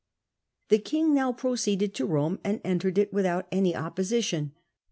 The king now proceeded to Rome and entered it without any opposition.